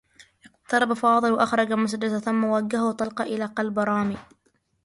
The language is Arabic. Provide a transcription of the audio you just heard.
اقترب فاضل و أخرج مسدّسه ثمّ وجّه طلقة إلى قلب رامي.